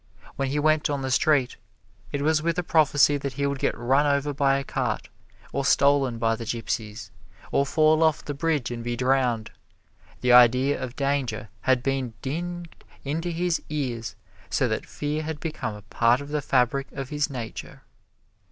When he went on the street it was with a prophecy that he would get run over by a cart, or stolen by the gypsies, or fall off the bridge and be drowned. The idea of danger had been dinged into his ears so that fear had become a part of the fabric of his nature.